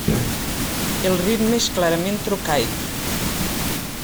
El ritme és clarament trocaic.